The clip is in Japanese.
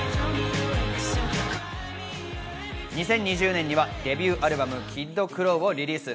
２０２０年にはデビューアルバム『ＫｉｄＫｒｏｗ』をリリース。